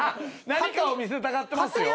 何かを見せたがってますよ。